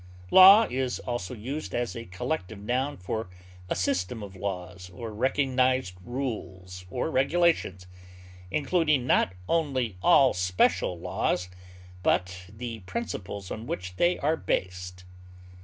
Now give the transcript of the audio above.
Law is also used as a collective noun for a system of laws or recognized rules or regulations, including not only all special laws, but the principles on which they are based.